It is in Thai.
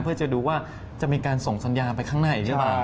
เพื่อจะดูว่าจะมีการส่งสัญญาณไปข้างหน้าอีกหรือเปล่า